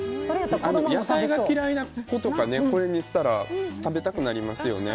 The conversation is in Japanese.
野菜が嫌いな子とかこれにしたら食べたくなりますよね。